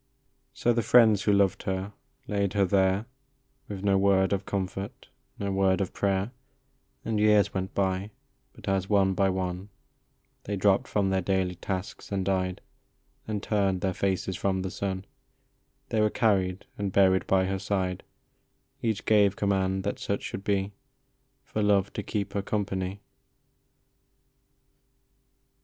So the friends who loved her laid her there With no word of comfort, no word of prayer, And years went by ; but as, one by one, They dropped from their daily tasks and died, And turned their faces from the sun, They were carried and buried by her side, Each gave command that such should be, " For love to keep her company."